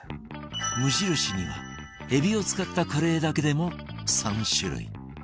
無印には海老を使ったカレーだけでも３種類